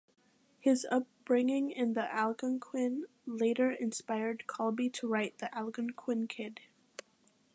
His upbringing in the Algonquin later inspired Colby to write "The Algonquin Kid".